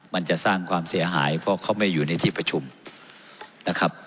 มันจะสร้างความเสียหายเพราะเขาไม่อยู่ในที่ประชุมนะครับ